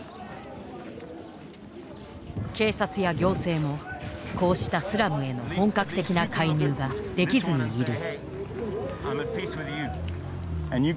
警察や行政もこうしたスラムへの本格的な介入ができずにいる。